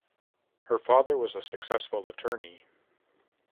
Her father was a successful attorney.